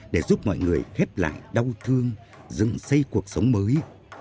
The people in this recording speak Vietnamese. để giúp mọi người khép lại đau thương dựng xây cuộc sống mới